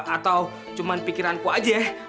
atau cuma pikiranku aja